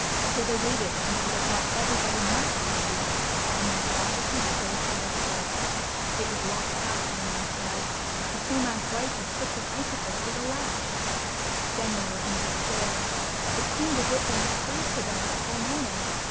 So they waited until they thought everybody must be asleep, and then cautiously stole toward the door. It was locked fast on the outside. The Snow Man's wife had slipped an icicle through the latch. Then they were in despair. It seemed as if they must freeze to death before morning.